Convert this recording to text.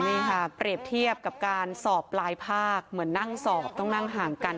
นี่ค่ะเปรียบเทียบกับการสอบปลายภาคเหมือนนั่งสอบต้องนั่งห่างกัน